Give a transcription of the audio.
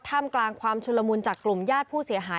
มกลางความชุลมุนจากกลุ่มญาติผู้เสียหาย